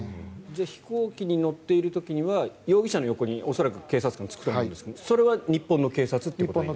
飛行機に乗っている時には容疑者の横に恐らく警察官がつくと思うんですがそれは日本の警察ということですか？